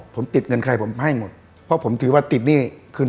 ไปให้